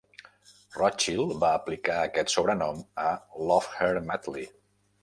Rothchild va aplicar aquest sobrenom a "Love Her Madly".